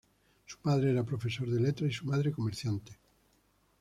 Su padre era profesor de letras y su madre comerciante.